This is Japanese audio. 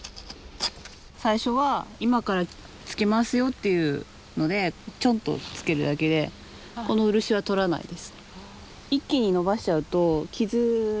最初は今からつけますよっていうのでチョンとつけるだけでこの漆はとらないです。